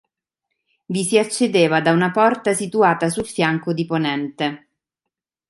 Vi si accedeva da una porta situata sul fianco di ponente.